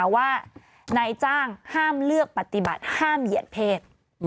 ว่านายจ้างห้ามเลือกปฏิบัติห้ามเหยียดเพศ